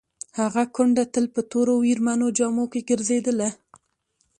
هغه کونډه تل په تورو ویرمنو جامو کې ګرځېدله.